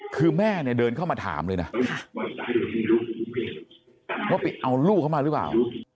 คือแม่เนี่ยเดินเข้ามาถามเลยนะว่าไปเอาลูกเข้ามาหรือเปล่า